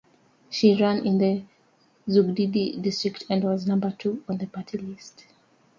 She ran in the Zugdidi district and was number two on the party list.